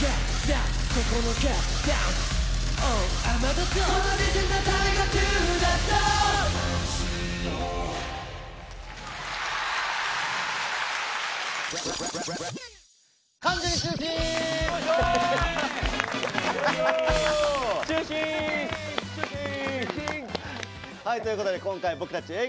どうぞ！ということで今回僕たちＡぇ！